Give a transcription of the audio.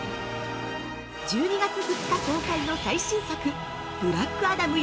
◆１２月２日公開の最新作「ブラックアダム」